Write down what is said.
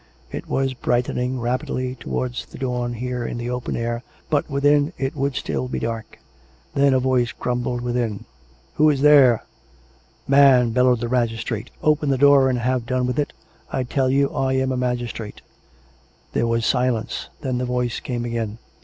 (It was brightening rapidly towards the dawn here in the open air, but within it would still be dark.) Then a voice grumbled within. " Who is there? "" Man," bellowed the magistrate, " open the door and have done with it. I tell you I am a magistrate !" There was silence. Then the voice came again.